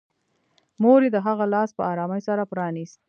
مور یې د هغه لاس په ارامۍ سره پرانيست